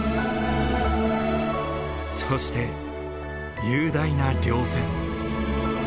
そして雄大な稜線。